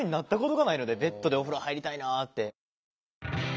ベッドでお風呂入りたいなって。